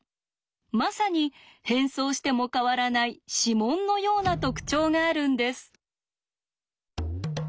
まさに変装しても変わらない指紋のような特徴があるんです。